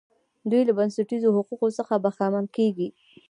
دوی له بنسټیزو حقوقو څخه برخمن کیږي.